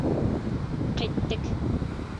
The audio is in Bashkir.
Ҡиттек!